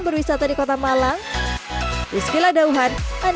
beri tahu di kolom komentar